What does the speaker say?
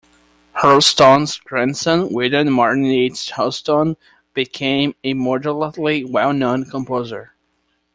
Hurlstone's grandson, William Martin Yeates Hurlstone, became a moderately well-known composer.